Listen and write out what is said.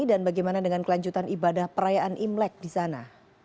dan bagaimana dengan kelanjutan ibadah perayaan imlek di sana